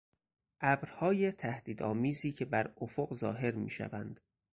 ابرهای تهدید آمیزی که برافق ظاهر میشوند